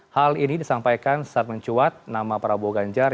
hal ini disampaikan saat mencuat nama prabowo ganjar